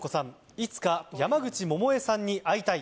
いつか山口百恵さんに会いたい！